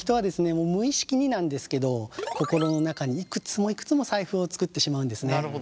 もう無意識になんですけど心の中にいくつもいくつも財布を作ってしまうんですね。